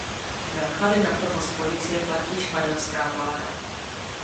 Náklady na provoz policie platí španělská vláda.